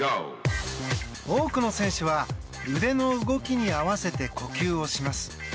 多くの選手は腕の動きに合わせて呼吸をします。